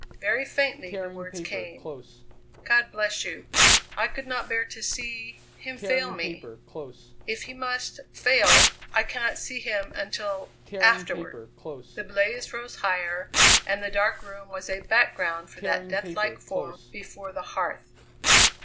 Very faintly the words came: "God bless you! I could not bear to see him fail me. If he must fail, I cannot see him until afterward." The blaze rose higher, and the dark room was a background for that deathlike form before the hearth.